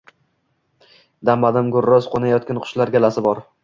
Dam-badam gurros qo’nayotgan qushlar galasi bor.